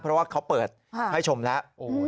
เพราะว่าเขาเปิดให้ชมแล้ว